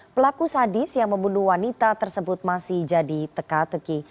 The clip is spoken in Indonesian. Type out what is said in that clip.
pelaku sadis yang membunuh wanita tersebut masih jadi teka teki